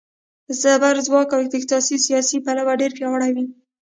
زبرځواک له اقتصادي، سیاسي پلوه ډېر پیاوړي وي.